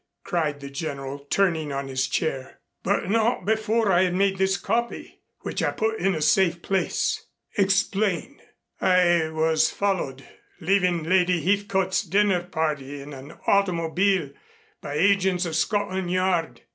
cried the General, turning in his chair. "But not before I had made this copy, which I put in a safe place." "Explain." "I was followed, leaving Lady Heathcote's dinner party in an automobile, by agents of Scotland Yard.